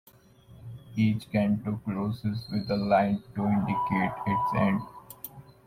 Each canto closes with a line to indicate its end.